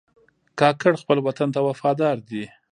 کاکړ خپل وطن ته وفادار دي.